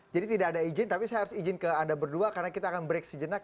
jadi tidak ada izin tapi saya harus izin ke anda berdua karena kita akan break sejenak